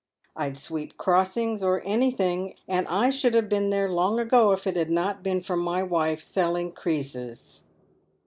I'd sweep crossings, or anything; and I should have been there long ago if it had not been for my wife selling creases."